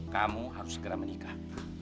kamu harus segera menikah